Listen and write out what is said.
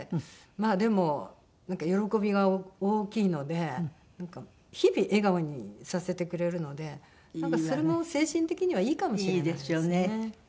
まあでもなんか喜びが大きいのでなんか日々笑顔にさせてくれるのでなんかそれも精神的にはいいかもしれないですね。